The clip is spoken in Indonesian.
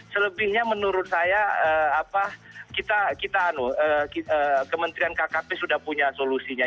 selebihnya menurut saya kita kementerian kkp sudah punya solusinya